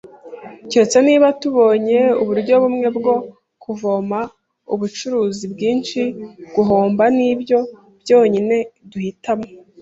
Keretse niba tubonye uburyo bumwe bwo kuvoma ubucuruzi bwinshi, guhomba nibyo byonyine duhitamo.